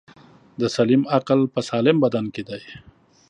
دسلیم عقل په سالم بدن کی دی.